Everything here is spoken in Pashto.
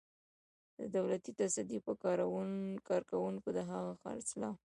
د دولتي تصدۍ په کارکوونکو د هغه خرڅلاو.